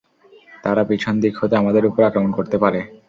তারা পিছন দিক হতে আমাদের উপর আক্রমণ করতে পারে।